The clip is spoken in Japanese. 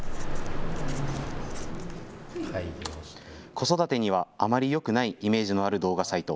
子育てにはあまりよくないイメージのある動画サイト。